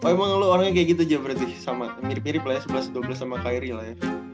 emang lo orangnya kayak gitu aja berarti mirip mirip lah ya sebelas dua belas sama kak airi lah ya